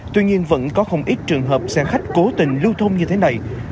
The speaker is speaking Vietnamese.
tuy nhiên vẫn có không ít trường hợp xe khách cố tình lưu thông như thế này